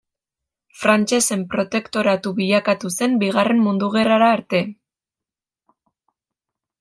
Frantsesen protektoratu bilakatu zen Bigarren Mundu Gerrara arte.